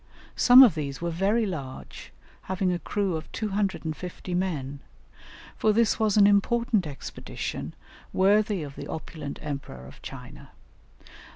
Some of these were very large, having a crew of 250 men, for this was an important expedition worthy of the opulent Emperor of China.